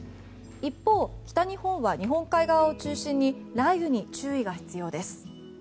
一方、北日本は日本海側を中心に雷雨に注意が必要です。